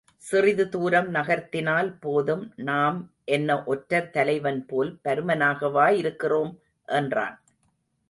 சிறிது தூரம் நகர்த்தினால் போதும் நாம் என்ன ஒற்றர் தலைவன் போல் பருமனாகவா இருக்கிறோம்? என்றான்.